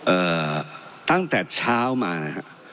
เอ่อตั้งแต่เช้ามานะฮะ